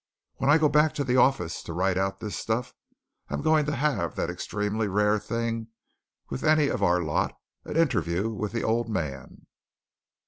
When I go back to the office to write out this stuff, I'm going to have that extremely rare thing with any of our lot an interview with the old man."